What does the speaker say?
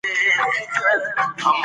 د سولې پالنه باید د هر چا مسؤلیت وي.